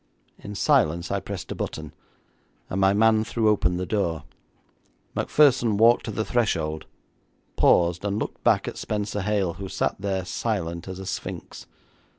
In silence I pressed a button, and my man threw open the door. Macpherson walked to the threshold, paused, and looked back at Spenser Hale, who sat there silent as a sphinx.